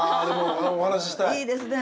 いいですね